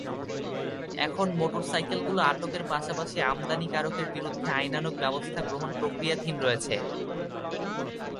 এখন মোটরসাইকেলগুলো আটকের পাশাপাশি আমদানিকারকের বিরুদ্ধে আইনানুগ ব্যবস্থা গ্রহণ প্রক্রিয়াধীন রয়েছে।